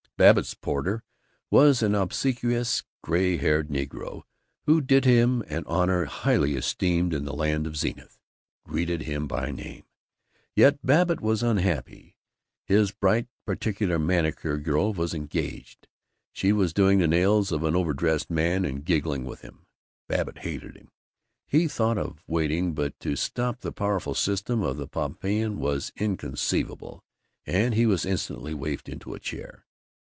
Babbitt's porter was an obsequious gray haired negro who did him an honor highly esteemed in the land of Zenith greeted him by name. Yet Babbitt was unhappy. His bright particular manicure girl was engaged. She was doing the nails of an overdressed man and giggling with him. Babbitt hated him. He thought of waiting, but to stop the powerful system of the Pompeian was inconceivable, and he was instantly wafted into a chair.